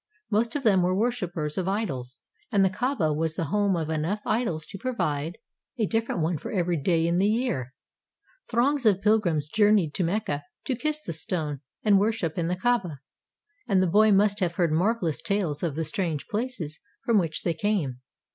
Most of them were worshipers of idols, and the Kaaba was the home of enough idols to provide a different one for every day in the year. Throngs of pilgrims journeyed to Mecca to kiss the stone and wor ship in the Kaaba; and the boy must have heard marvel ous tales of the strange places from which they came.